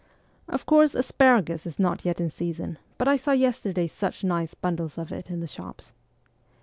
' Of course, asparagus is not yet in season, but I saw yesterday such nice bundles of it in the shops.'